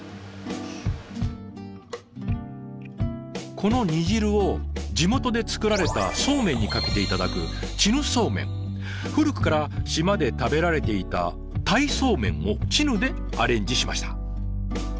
この煮汁を地元で作られたそうめんにかけて頂く古くから島で食べられていたタイそうめんをチヌでアレンジしました。